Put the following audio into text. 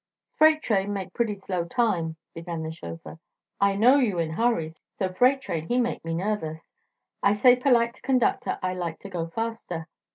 "Freight train make pretty slow time," began the chauffeur. "I know you in hurry, so freight train he make me nervous. I say polite to conductor I like to go faster.